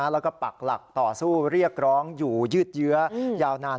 แล้วก็ปักหลักต่อสู้เรียกร้องอยู่ยืดเยื้อยาวนาน